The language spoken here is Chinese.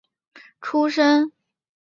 崎玉县出身。